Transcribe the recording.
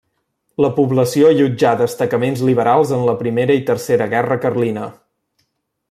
La població allotjà destacaments liberals en la primera i tercera guerra Carlina.